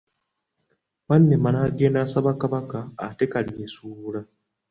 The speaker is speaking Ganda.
Wannema n’agenda asabe Kabaka atte Kalyesuubula.